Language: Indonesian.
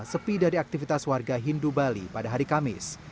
sepi dari aktivitas warga hindu bali pada hari kamis